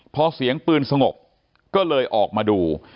พอเสียงปืนสงบก็เลยออกมาดู